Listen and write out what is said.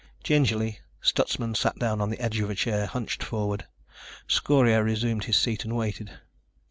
Gingerly Stutsman sat down on the edge of a chair, hunched forward. Scorio resumed his seat and waited.